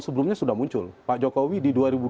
sebelumnya sudah muncul pak jokowi di